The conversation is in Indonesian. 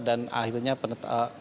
dan akhirnya penetapan